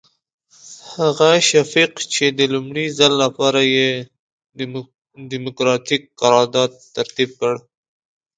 هغه شفیق چې د لومړي ځل لپاره یې ډیموکراتیک قرارداد ترتیب کړ.